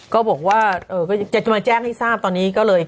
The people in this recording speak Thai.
ก็บอกว่าจะมาแจ้งให้ทราบตอนนี้ก็เลย